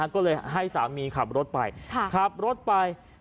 ก็เลยให้สามีขับรถไปขับรถไป